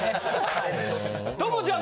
朋ちゃん